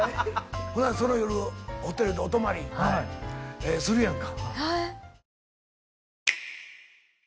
ほんならその夜ホテルでお泊まりするやんか。